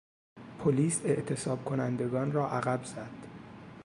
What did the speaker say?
پلیس اعتصاب کنندگان را عقب زد.